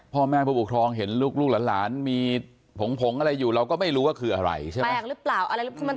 พ่อแม่พ่อบุคลองเห็นลูกหลานมีผงอะไรอยู่เราก็ไม่รู้ว่าคืออะไรใช่ไหม